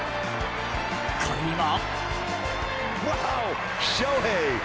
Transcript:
これには。